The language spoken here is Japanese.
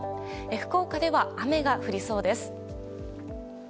福岡では雨が降りそうです。